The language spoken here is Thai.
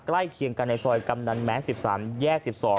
เคียงกันในซอยกำนันแม้น๑๓แยก๑๒